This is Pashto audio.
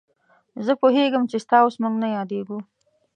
زه پوهېږم چې ستا اوس موږ نه یادېږو.